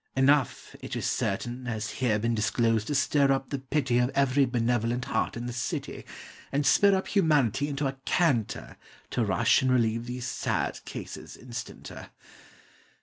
Enough, it is certain Has here been disclosed to stir up the pity Of every benevolent heart in the city, And spur up Humanity into a canter To rush and relieve these sad cases instanter.